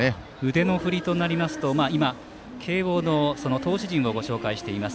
腕の振りとなりますと慶応の投手陣をご紹介しています。